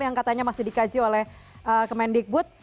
yang katanya masih dikaji oleh kemendikbud